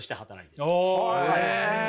へえ。